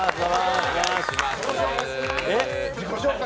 自己紹介！